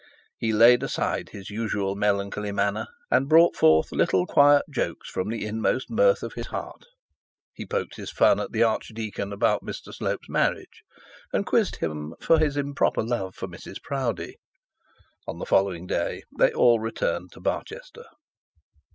He laid aside his usual melancholy manner, and brought forth little quiet jokes from the utmost mirth of his heart; he poked fun at the archdeacon about Mr Slope's marriage, and quizzed him for his improper love for Mrs Proudie. On the following day they all returned to Barchester.